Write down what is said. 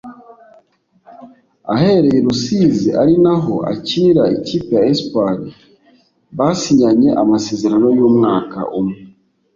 aherereye i Rusizi ari naho akinira ikipe ya Espoir basinyanye amasezerano y’umwaka umwe